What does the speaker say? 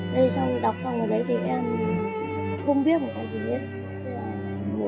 lấy xong đọc xong rồi lấy thì em không biết một cái gì hết